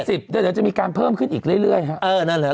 เป็นสิบแต่เดี๋ยวจะมีการเพิ่มขึ้นอีกเรื่อยเรื่อยครับเออนั่นแหละ